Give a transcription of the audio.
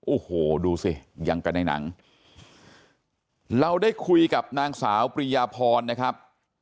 โอ้โหดูสิยังกันในหนังเราได้คุยกับนางสาวปริยาพรนะครับ